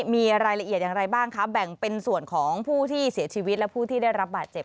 มีรายละเอียดอย่างไรบ้างคะแบ่งเป็นส่วนของผู้ที่เสียชีวิตและผู้ที่ได้รับบาดเจ็บ